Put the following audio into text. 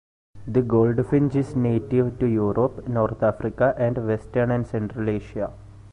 The goldfinch is native to Europe, North Africa, and western and central Asia.